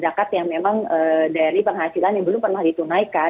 zakat yang memang dari penghasilan yang belum pernah ditunaikan